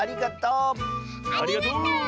ありがとう！